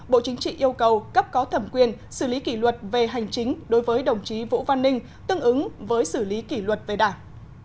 bộ chính trị yêu cầu cấp có thẩm quyền xử lý kỷ luật về hành chính đối với đồng chí vũ văn ninh tương ứng với xử lý kỷ luật về đảng